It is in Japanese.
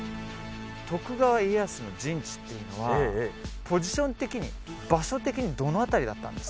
徳川家康の陣地っていうのはポジション的に場所的にどの辺りだったんですか？